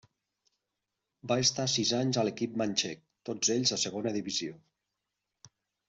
Va estar sis anys a l'equip manxec, tots ells a Segona Divisió.